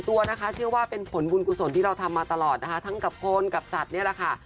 ท้ายค่ะเชื่อว่าเป็นผลบุญกลุ่นส่วนที่เราทำมาตลอดนะฮะทั้งกับคนกับจัดนี่นะคะ